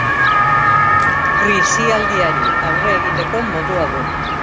Krisialdiari aurre egiteko modua du.